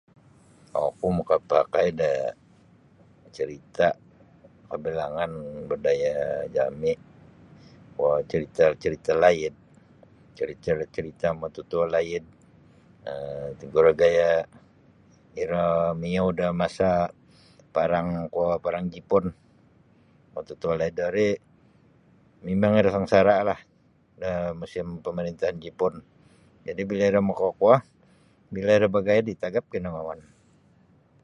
Oku makapakai da carita' kabilangan budaya jami' kuo carita'-carita' laid carcarita -carita' mututo laid um tingkuro gaya' iro maiyau da masa parang kuo parang Jipun mututuo laid rori mimamg iro sangsara' lah da musim pamarintahan Jipun jadi bila iro makakuo bila iro bagayad ii tagap kinongouon